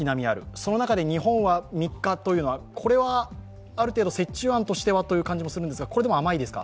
その中で日本は３日というのは、これはある程度折衷案としてはという気はするんですがこれでも甘いですか？